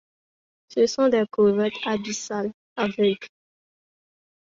Ce sont des crevettes abyssales aveugles.